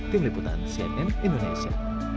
tim liputan cnn indonesia